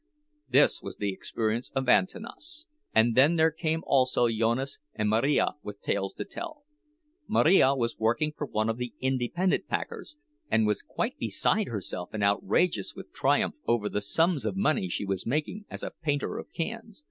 This was the experience of Antanas; and then there came also Jonas and Marija with tales to tell. Marija was working for one of the independent packers, and was quite beside herself and outrageous with triumph over the sums of money she was making as a painter of cans.